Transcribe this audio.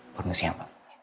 permisi ya pak